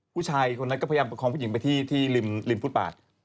ผู้ชายคนนั้นก็พยายามประคองผู้หญิงไปที่ริมฟุตบาท